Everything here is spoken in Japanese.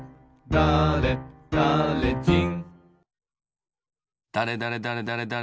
だれだれじん。